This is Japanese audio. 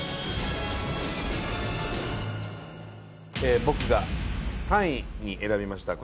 えっ僕が３位に選びました